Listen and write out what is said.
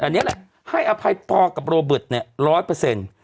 อันนี้แหละให้อภัยปอกับโรเบิร์ตเนี่ยร้อยเปอร์เซ็นต์